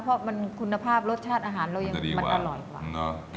เพราะคุณภาพรสชาติอาหารเรายังมันอร่อยกว่า